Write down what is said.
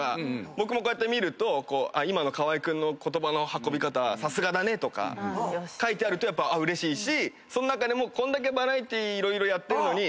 僕もこうやって見ると「今の河合君の言葉の運び方さすがだね」とか書いてあるとやっぱうれしいしそん中にもこんだけバラエティー色々やってるのに。